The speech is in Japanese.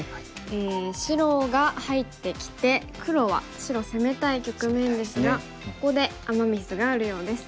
白が入ってきて黒は白攻めたい局面ですがここでアマ・ミスがあるようです。